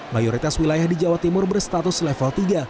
mayoritas wilayah di jawa timur berstatus level tiga